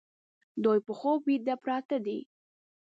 دوی په خوب ویده پراته دي